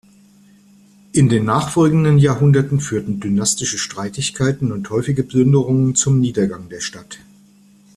In den nachfolgenden Jahrhunderten führten dynastische Streitigkeiten und häufige Plünderungen zum Niedergang der Stadt.